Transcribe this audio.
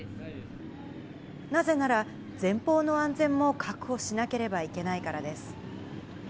なぜなら、前方の安全も確保しなければいけないからです。